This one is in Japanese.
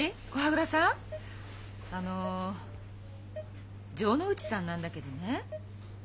あの城ノ内さんなんだけどね。